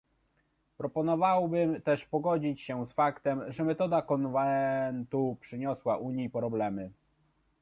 Proponowałbym też pogodzić się z faktem, że metoda konwentu przyniosła Unii problemy